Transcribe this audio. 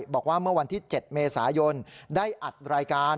บอกว่าเมื่อวันที่๗เมษายนได้อัดรายการ